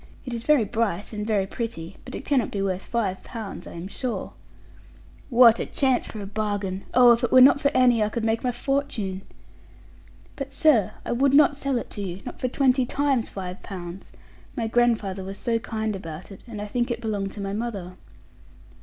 It is very bright, and very pretty; but it cannot be worth five pounds, I am sure.' 'What a chance for a bargain! Oh, if it were not for Annie, I could make my fortune.' 'But, sir, I would not sell it to you, not for twenty times five pounds. My grandfather was so kind about it; and I think it belonged to my mother.'